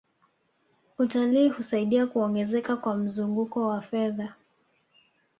utalii husaidia kuongezeka kwa mzunguko wa fedha